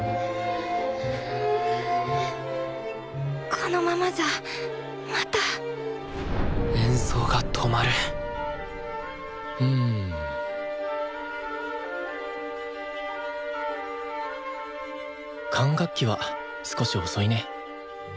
このままじゃまた演奏が止まるうん管楽器は少し遅いね。